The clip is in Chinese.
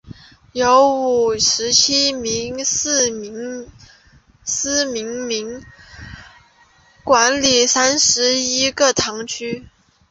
由五十七名司铎名管理三十一个堂区。